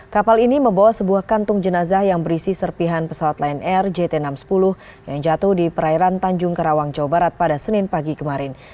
kapal ini membawa sebuah kantung jenazah yang berisi serpihan pesawat lion air jt enam ratus sepuluh yang jatuh di perairan tanjung kerawang jawa barat pada senin pagi kemarin